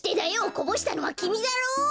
こぼしたのはきみだろ！